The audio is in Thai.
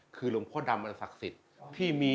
คือหลวงพ่อดำอันศักดิ์สิทธิ์ที่มี